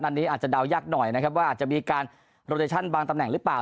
อันนี้อาจจะเดายากหน่อยนะครับว่าอาจจะมีการโรเดชั่นบางตำแหน่งหรือเปล่า